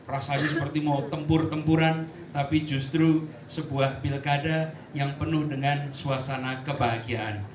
rasanya seperti mau tempur tempuran tapi justru sebuah pilkada yang penuh dengan suasana kebahagiaan